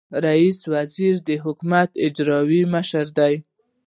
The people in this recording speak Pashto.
رئیس الوزرا د حکومت اجرائیوي مشر دی